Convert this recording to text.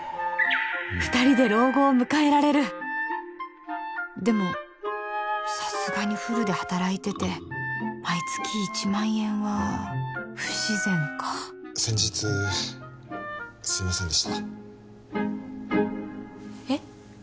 二人で老後を迎えられるでもさすがにフルで働いてて毎月１万円は不自然か先日すいませんでしたえっ？